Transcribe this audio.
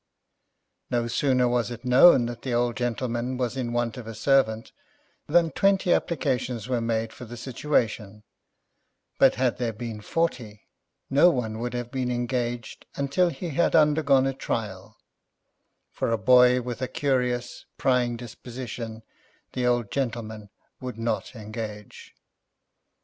No sooner was it known that the old gentleman was in want of a servant, than twenty applications were made for the situation; but had there been forty, no one would have been engaged until he had undergone a trial; for a boy with a curious, prying disposition, the old gentleman would not engage.